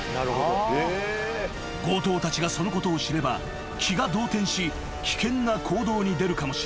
［強盗たちがそのことを知れば気が動転し危険な行動に出るかもしれない］